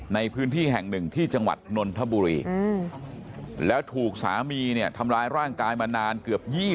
ในพื้นที่แห่งหนึ่งที่จังหวัดนนทบุรีแล้วถูกสามีเนี่ยทำร้ายร่างกายมานานเกือบ๒๐